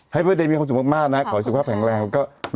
ให้พระเจมส์มีความสุขมากนะขออาชีพภาพแข็งแรงก็ขอบคุณค่ะ